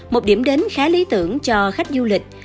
một điểm đến khá lý tưởng cho khách du lịch